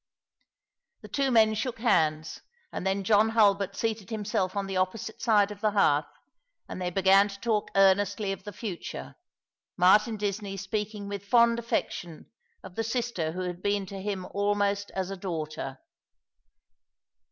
The two men shook hands, and then John Hulbert seated himself on the opposite side of the hearth, and they began to talk earnestly of the future, Martin Disney speaking with fond affection of the sister who had been to him almost as a daughter.